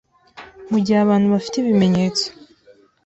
Mu gihe abantu bafite ibimenyetso